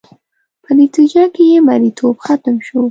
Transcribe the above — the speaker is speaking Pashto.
په نتیجه کې یې مریتوب ختم شو